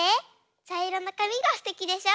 ちゃいろのかみがすてきでしょ？